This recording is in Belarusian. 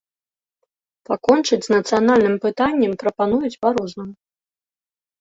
Пакончыць з нацыянальным пытаннем прапануюць па-рознаму.